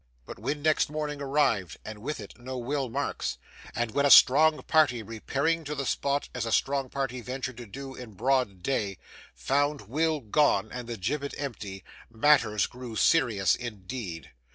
But when next morning arrived, and with it no Will Marks, and when a strong party repairing to the spot, as a strong party ventured to do in broad day, found Will gone and the gibbet empty, matters grew serious indeed.